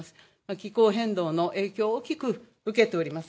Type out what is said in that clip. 気候変動の影響を大きく受けております。